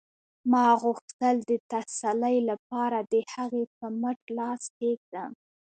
ما غوښتل د تسلۍ لپاره د هغې په مټ لاس کېږدم